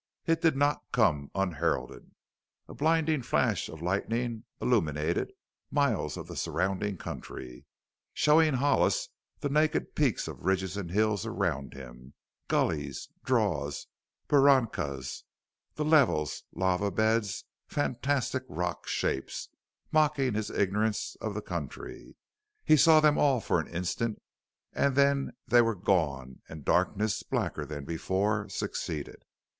It did not come unheralded. A blinding flash of lightning illuminated miles of the surrounding country, showing Hollis the naked peaks of ridges and hills around him; gullies, draws, barrancas, the levels, lava beds, fantastic rock shapes mocking his ignorance of the country. He saw them all for an instant and then they were gone and darkness blacker than before succeeded.